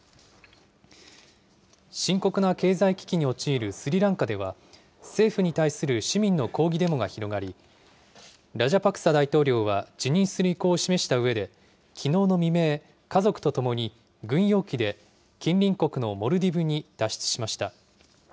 深刻な経済危機に陥るスリランカでは、政府に対する市民の抗議デモが広がり、ラジャパクサ大統領は辞任する意向を示したうえで、きのうの未明、家族と共に軍用機で近隣国のモルディブに脱出しました。